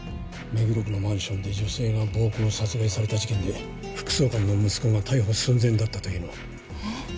目黒区のマンションで女性が暴行殺害された事件で副総監の息子が逮捕寸前だったというのはえっ！？